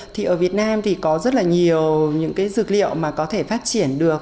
thì ở việt nam thì có rất là nhiều những cái dược liệu mà có thể phát triển được